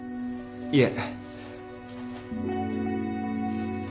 いえ。